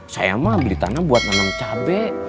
saya mah beli tanah buat nanam cabai